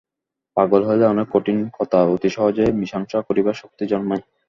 পাগল হইলে অনেক কঠিন কথা অতি সহজে মীসাংসা করিবার শক্তি জন্মায়।